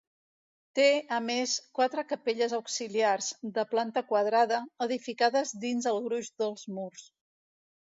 Té, a més, quatre capelles auxiliars, de planta quadrada, edificades dins el gruix dels murs.